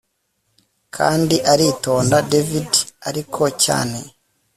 kandi aritonda david ati cyane